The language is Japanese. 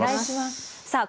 さあ